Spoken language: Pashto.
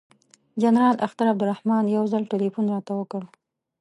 جنرال اختر عبدالرحمن یو ځل تلیفون راته وکړ.